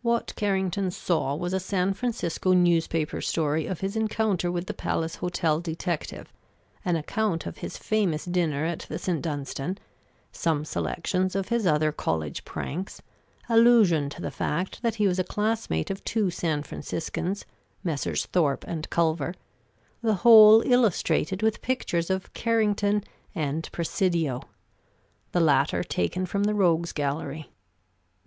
What Carrington saw was a San Francisco newspaper story of his encounter with the Palace Hotel detective, an account of his famous dinner at the St. Dunstan, some selections of his other college pranks, allusion to the fact that he was a classmate of two San Franciscans, Messrs. Thorpe and Culver, the whole illustrated with pictures of Carrington and Presidio the latter taken from the rogues' gallery.